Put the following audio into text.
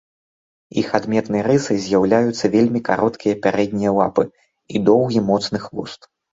Іх адметнай рысай з'яўляюцца вельмі кароткія пярэднія лапы і доўгі моцны хвост.